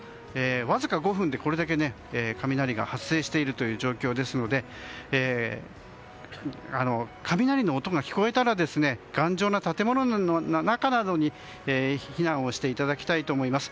わずか５分でこれだけ雷が発生している状況ですので雷の音が聞こえたら頑丈な建物の中などに避難をしていただきたいと思います。